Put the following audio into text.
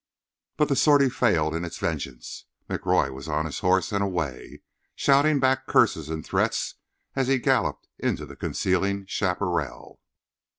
But the sortie failed in its vengeance. McRoy was on his horse and away, shouting back curses and threats as he galloped into the concealing chaparral.